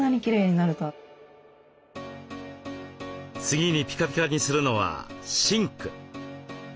次にピカピカにするのはシンク。